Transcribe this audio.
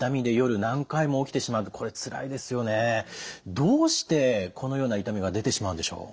どうしてこのような痛みが出てしまうんでしょう？